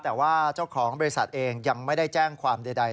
แต่ว่าเจ้าของบริษัทเองยังไม่ได้แจ้งความใด